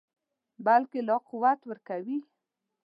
بلکې لا قوت ورکوي.